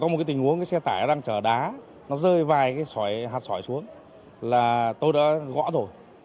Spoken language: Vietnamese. có một tình huống xe tải đang chở đá nó rơi vài hạt sỏi xuống là tôi đã gõ rồi